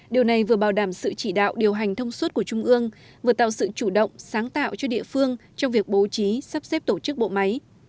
điều này vừa bảo đảm sự chỉ đạo điều hành thông suốt của trung ương vừa tạo sự chủ động sáng tạo cho địa phương trong việc bố trí sắp xếp tổ chức bộ máy